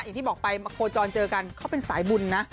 อย่างที่บอกไปมาโคจรเจอกันเขาเป็นสายบุญนะ